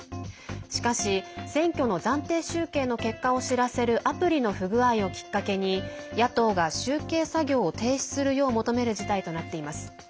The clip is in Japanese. しかし、選挙の暫定集計の結果を知らせるアプリの不具合をきっかけに野党が集計作業を停止するよう求める事態となっています。